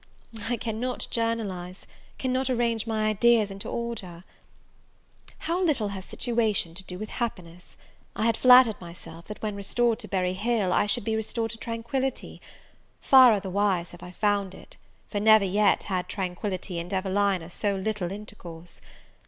I cannot journalize, cannot arrange my ideas into order. How little has situation to do with happiness! I had flattered myself, that, when restored to Berry Hill, I should be restored to tranquillity: far otherwise have I found it, for never yet had tranquillity and Evelina so little intercourse.